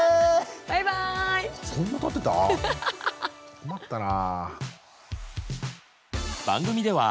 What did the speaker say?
困ったな。